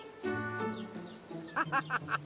ハハハハ！